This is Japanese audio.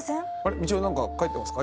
みちおなんか描いてますか？